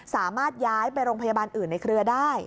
สามารถย้ายไปโรงพยาบาลอื่นในเครือได้